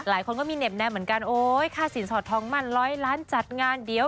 หลายคนก็มีเห็บแนมเหมือนกันโอ๊ยค่าสินสอดทองมั่นร้อยล้านจัดงานเดี๋ยว